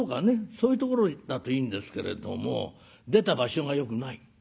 そういうところだといいんですけれども出た場所がよくない。